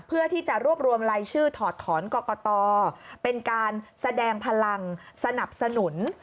เพื่อที่จะรวบรวมรายชื่อถอดถอนกรกตเป็นการแสดงพลังสนับสนุน